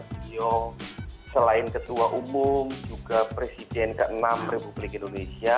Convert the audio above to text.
beliau selain ketua umum juga presiden ke enam republik indonesia